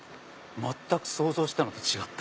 想像したのと違った。